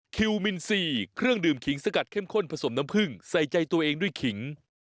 คิวมินซีเครื่องดื่มขิงสกัดเข้มข้นผสมน้ำผึ้งใส่ใจตัวเองด้วยขิง